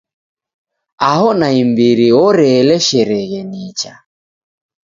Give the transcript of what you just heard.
Aho naimbiri oreeleshereghe nicha.